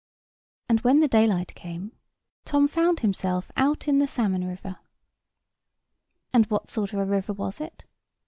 And when the daylight came, Tom found himself out in the salmon river. And what sort of a river was it?